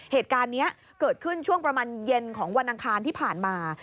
เหตุการณ์นี้เกิดขึ้นช่วงประมาณเย็นของวันอังคารที่ผ่านมา